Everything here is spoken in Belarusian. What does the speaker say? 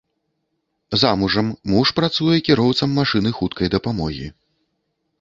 Замужам, муж працуе кіроўцам машыны хуткай дапамогі.